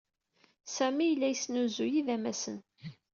Sami yella yesnuzuy idamasen.